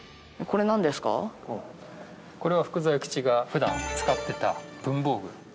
これは福沢諭吉が普段使ってた文房具。